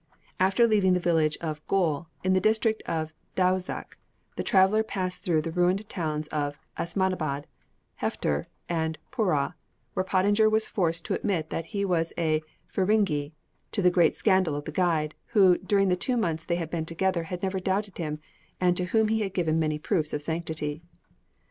After leaving the village of Goul, in the district of Daizouk, the traveller passed through the ruined towns of Asmanabad, Hefter, and Pourah, where Pottinger was forced to admit that he was a "Feringhi," to the great scandal of the guide, who during the two months they had been together had never doubted him, and to whom he had given many proofs of sanctity.